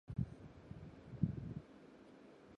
小甘菊为菊科小甘菊属的植物。